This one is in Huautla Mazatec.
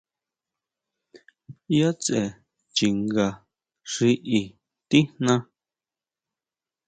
¿Yʼa tsʼe chinga xi i tijná?